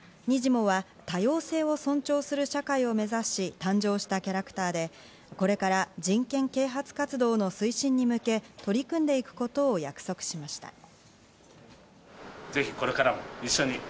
にじモは多様性を尊重する社会を目指し誕生したキャラクターで、これから人権啓発活動の推進に向け、取り組んでいくことを約束しました。